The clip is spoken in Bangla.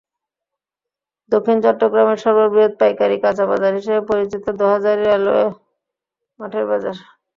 দক্ষিণ চট্টগ্রামের সর্ববৃহৎ পাইকারী কাঁচা বাজার হিসেবে পরিচিত দোহাজারী রেলওয়ে মাঠের বাজার।